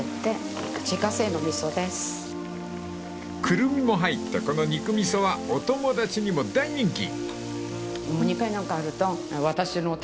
［クルミも入ったこの肉みそはお友達にも大人気］